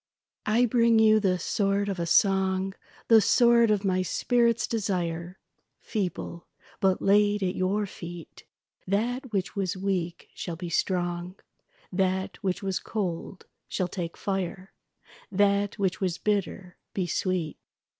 I bring you the sword of a song, The sword of my spirit's desire, Feeble; but laid at your feet, That which was weak shall be strong, That which was cold shall take fire, That which was bitter be sweet.